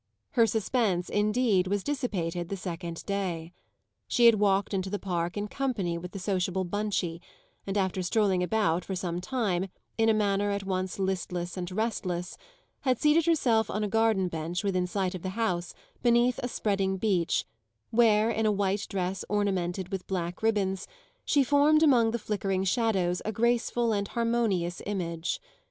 Her suspense indeed was dissipated the second day. She had walked into the park in company with the sociable Bunchie, and after strolling about for some time, in a manner at once listless and restless, had seated herself on a garden bench, within sight of the house, beneath a spreading beech, where, in a white dress ornamented with black ribbons, she formed among the flickering shadows a graceful and harmonious image.